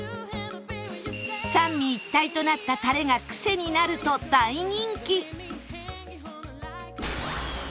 三位一体となったタレが癖になると大人気